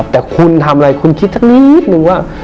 แต่คุณทำอะไรคุณคิดสักนิดนึงว่า